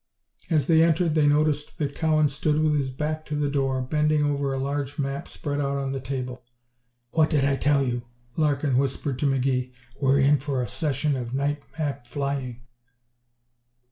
As they entered they noticed that Cowan stood with his back to the door, bending over a large map spread out on the table. "What did I tell you?" Larkin whispered to McGee. "We're in for a session of night map flying."